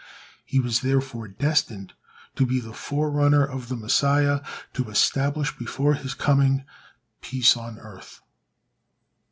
He was therefore destined to be the forerunner of the Messiah to establish before his coming peace on earth.